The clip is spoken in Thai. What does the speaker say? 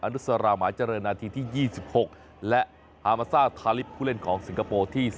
อนุสาราหมาเจริญาทีที่๒๖และฮามาซ่าทาลิป